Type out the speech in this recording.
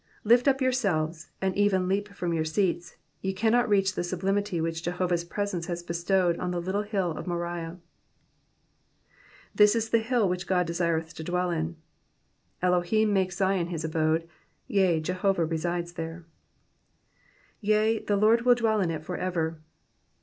Lift up yourselves, and even leap from your seats, ye cannot reach the sublimity which Jehovah's presence has bestowed on the little hill of Moriah. ^' This is the hill which God (h»ireth to dwell in,'' ^ Elohim makes Zion his abode, yea, Jehovah resides there. F<?a, the Lord will dwell in it for ever.'